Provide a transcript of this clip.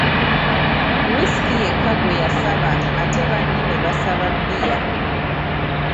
Whisky yekka gwe yasaba ate banne nebasaba bbiya.